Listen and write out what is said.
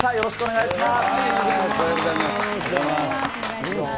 よろしくお願いします。